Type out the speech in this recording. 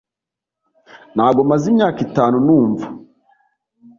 Ntabwo maze imyaka itanu numva